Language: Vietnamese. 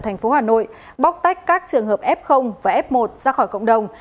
thành phố hà nội bóc tách các trường hợp f và f một ra khỏi cộng đồng